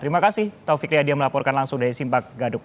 terima kasih taufik riyadi yang melaporkan langsung dari simpak gadug